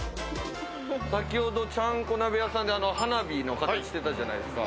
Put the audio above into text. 先ほど、ちゃんこ鍋屋さんで花火の形をしていたじゃないですか。